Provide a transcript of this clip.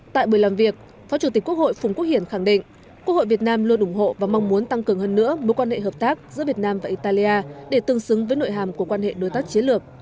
tại buổi làm việc phó chủ tịch quốc hội phùng quốc hiển khẳng định quốc hội việt nam luôn ủng hộ và mong muốn tăng cường hơn nữa mối quan hệ hợp tác giữa việt nam và italia để tương xứng với nội hàm của quan hệ đối tác chiến lược